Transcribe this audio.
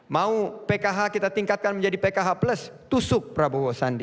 mau pkh kita tingkatkan menjadi pkh plus tusuk prabowo sandi